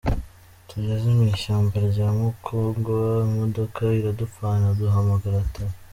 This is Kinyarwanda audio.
Tugeze mu ishyamba rya Mukungwa imodoka iradupfana duhamagara Theo.